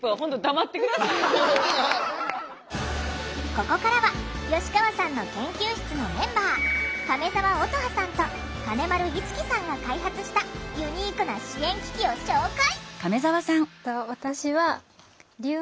ここからは吉川さんの研究室のメンバー亀澤音羽さんと金丸一樹さんが開発したユニークな支援機器を紹介！